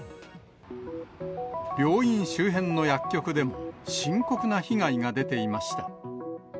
病院周辺の薬局でも、深刻な被害が出ていました。